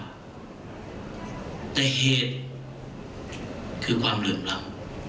แต่เหตุคือความเหลื่อมล้ำ